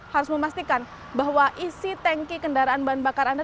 harus memastikan bahwa isi tanki kendaraan bahan bakar anda